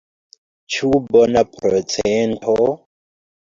Ĉu bona procento?